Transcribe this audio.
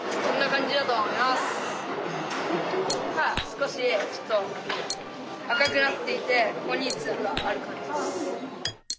少し赤くなっていてここにツブがある感じです。